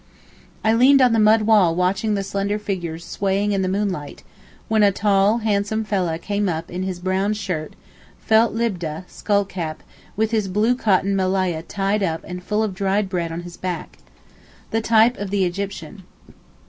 I leaned on the mud wall watching the slender figures swaying in the moonlight, when a tall, handsome fellah came up in his brown shirt, felt libdeh (scull cap), with his blue cotton melaya tied up and full of dried bread on his back. The type of the Egyptian.